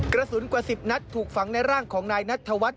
กระสุนกว่า๑๐นัดถูกฝังในร่างของนายนัทธวัฒน